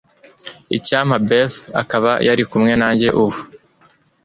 Icyampa Beth akaba yari kumwe nanjye ubu .